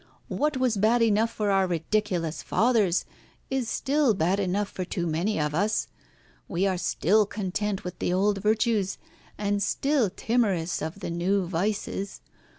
What was bad enough for our ridiculous fathers is still bad enough for too many of us. We are still content with the old virtues, and still timorous of the new vices.